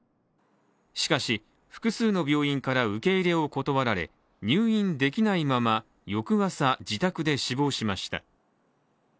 しかし、複数の病院から受け入れを断られ入院できないまま翌朝、自宅で死亡しました。